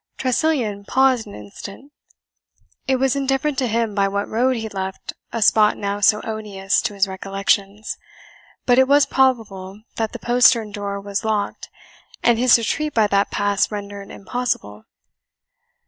Tressilian paused an instant. It was indifferent to him by what road he left a spot now so odious to his recollections; but it was probable that the postern door was locked, and his retreat by that pass rendered impossible.